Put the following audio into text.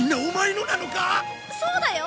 そうだよ。